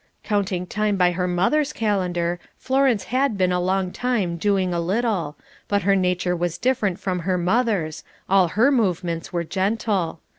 Counting time by her mother's calendar, Florence had been a long time doing a little, but her nature was different from her mother's, all her movements were gentle.